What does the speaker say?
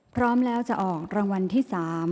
พร้อมแล้วจะออกรางวัลที่๓